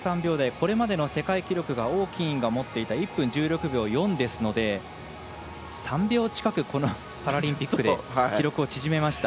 これまでの世界記録が王欣怡が持っていた１分１６秒４ですので３秒近く、パラリンピックで記録を縮めました。